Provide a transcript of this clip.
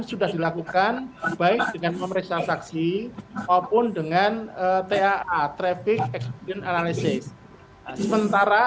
sudah dilakukan baik dengan memeriksa saksi maupun dengan taa traffic experiend analysis sementara